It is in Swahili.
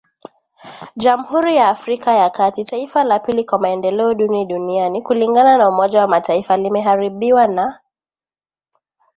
Jamhuri ya Afrika ya kati, taifa la pili kwa maendeleo duni duniani kulingana na umoja wa mataifa limeharibiwa na